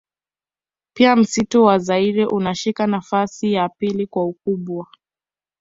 Pia msitu wa zaire unashika nafasi ya pili kwa ukubwa